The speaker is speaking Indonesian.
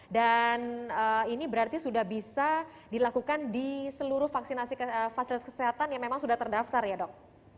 dan ini berarti sudah bisa dilakukan di seluruh vaksinasi fasilitas kesehatan yang memang sudah terdaftar ya dok